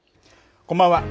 こんばんは。